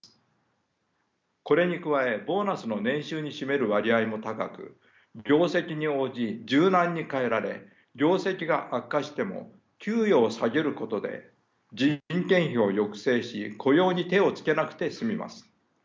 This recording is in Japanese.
これに加えボーナスの年収に占める割合も高く業績に応じ柔軟に変えられ業績が悪化しても給与を下げることで人件費を抑制し雇用に手を付けなくて済みます。